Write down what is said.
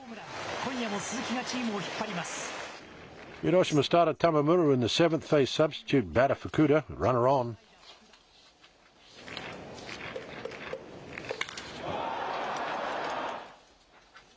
今夜も鈴木がチームを引っ張ります。